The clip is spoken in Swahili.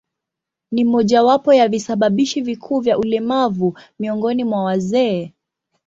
Ni mojawapo ya visababishi vikuu vya ulemavu miongoni mwa wazee.